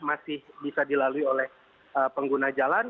masih bisa dilalui oleh pengguna jalan